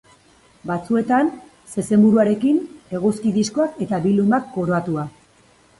Batzuetan, zezen buruarekin, eguzki diskoak eta bi lumak koroatua.